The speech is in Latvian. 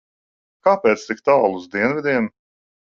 Kāpēc tik tālu uz dienvidiem?